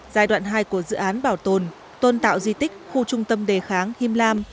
giai đoạn hai của dự án bảo tồn tôn tạo di tích khu trung tâm đề kháng him lam